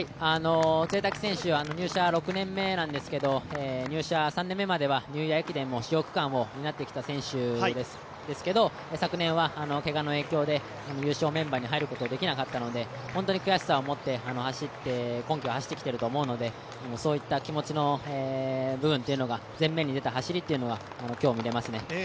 潰滝選手は入社６年目なんですけど、入社３年目まではニューイヤー駅伝も主要区間をになってきた選手ですが昨年はけがの影響で優勝メンバーに入ることができなかったので本当に悔しさを持って今季は走ってきていると思うので、そういった気持ちの部分が前面に出た走りが今日、見れますね。